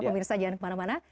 pemirsa jangan kemana mana